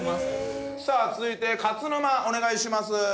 続いて勝沼お願いします。